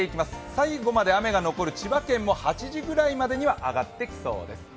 最後まで雨が残る千葉県も８時ぐらいまでには上がってきそうです。